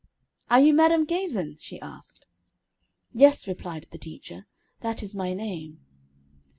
"'Are you Madam Gazin?' she asked. "'Yes,' replied the teacher, 'that is my name.'